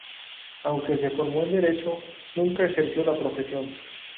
Aunque se formó en Derecho, nunca ejerció la profesión.